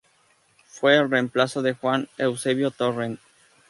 Fue el reemplazo de Juan Eusebio Torrent.